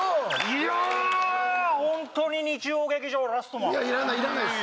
いやあホントに日曜劇場「ラストマン」いやいらないいらないです